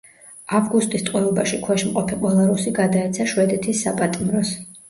ავგუსტის ტყვეობაში ქვეშ მყოფი ყველა რუსი გადაეცა შვედეთის საპატიმროს.